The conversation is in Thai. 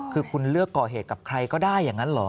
คือคุณเลือกก่อเหตุกับใครก็ได้อย่างนั้นเหรอ